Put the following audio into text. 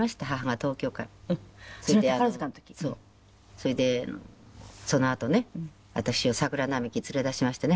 それでそのあとね私を桜並木に連れ出しましてね母が。